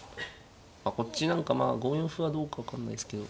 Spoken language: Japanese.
こっち何か５四歩はどうか分かんないですけど